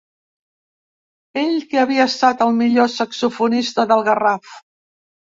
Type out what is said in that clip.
Ell que havia estat el millor saxofonista del Garraf.